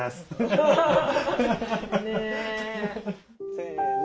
せの。